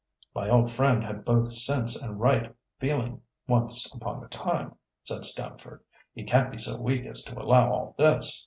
"My old friend had both sense and right feeling once upon a time," said Stamford. "He can't be so weak as to allow all this."